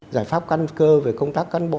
giải pháp căn cơ về công tác cán bộ